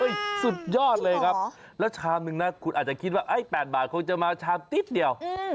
สุดยอดเลยครับแล้วชามนึงนะคุณอาจจะคิดว่า๘บาทคงจะมาชามติ๊บเดียว